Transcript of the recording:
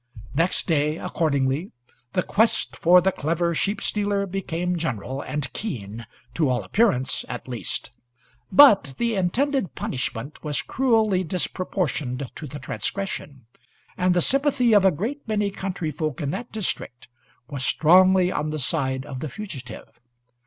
Next day, accordingly, the quest for the clever sheep stealer became general and keen to all appearance, at least. But the intended punishment was cruelly disproportioned to the transgression, and the sympathy of a great many country folk in that district was strongly on the side of the fugitive.